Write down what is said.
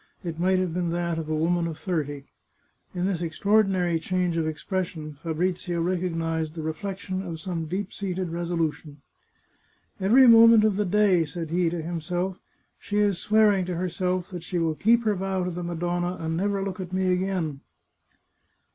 It might have been that of a woman of thirty. In this extraordinary change of ex pression Fabrizio recognised the reflection of some deep seated resolution. " Every moment of the day," said he to himself, " she is swearing to herself that she will keep her vow to the Madonna, and never look at me again."